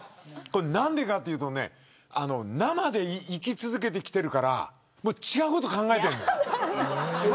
何でかというと生で生き続けてきてるから違うこと考えてるんです。